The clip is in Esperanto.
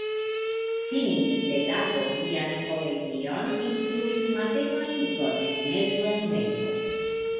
Finis pedagogian kolegion, instruis matematikon en mezlernejo.